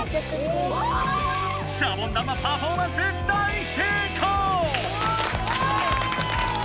シャボン玉パフォーマンス大成功！